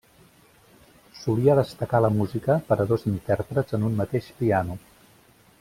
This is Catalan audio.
Solia destacar la música per a dos intèrprets en un mateix piano.